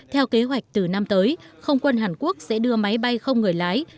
theo kế hoạch từ năm tới không quân hàn quốc sẽ đưa máy bay không người lái